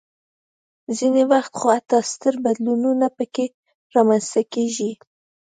ځینې وخت خو حتی ستر بدلونونه پکې رامنځته کېږي.